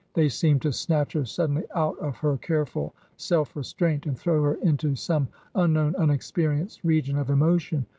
They seemed to snatch her suddenly out of her careful self restraint and throw her into some unknown, unex perienced region of emotion.